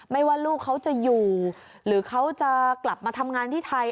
ว่าลูกเขาจะอยู่หรือเขาจะกลับมาทำงานที่ไทย